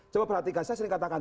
coba perhatikan saya sering katakan